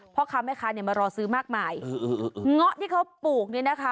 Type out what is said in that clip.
พ่อค้าแม่ค้าเนี่ยมารอซื้อมากมายเงาะที่เขาปลูกเนี่ยนะคะ